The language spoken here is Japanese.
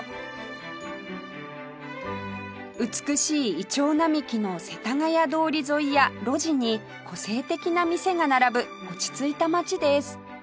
美しいイチョウ並木の世田谷通り沿いや路地に個性的な店が並ぶ落ち着いた街です